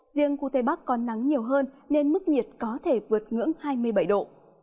riêng khu tây bắc có nắng nhiều hơn nên mức nhiệt có thể vượt ngưỡng hai mươi bảy độ